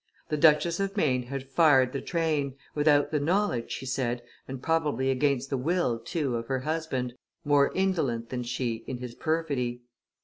The Duchess of Maine had fired the train, without the knowledge, she said, and probably against the will, too, of her husband, more indolent than she in his perfidy.